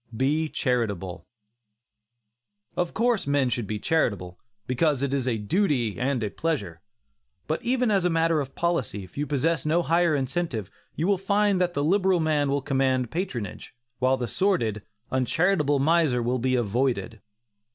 BE CHARITABLE. Of course men should be charitable, because it is a duty and a pleasure. But even as a matter of policy, if you possess no higher incentive, you will find that the liberal man will command patronage, while the sordid, uncharitable miser will be avoided.